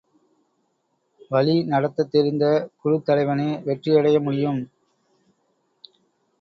வழி நடத்தத் தெரிந்த குழுத் தலைவனே வெற்றியடைய முடியும்.